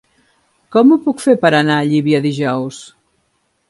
Com ho puc fer per anar a Llívia dijous?